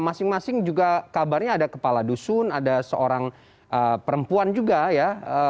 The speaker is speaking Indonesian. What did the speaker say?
masing masing juga kabarnya ada kepala dusun ada seorang perempuan juga ya